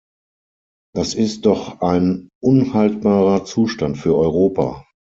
Das ist doch ein unhaltbarer Zustand für Europa!